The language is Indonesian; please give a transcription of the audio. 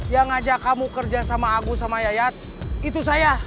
yang ngajak kamu kerja sama agus sama yayat itu saya